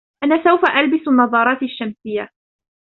أنا سوف ألبس النظارات الشمسية.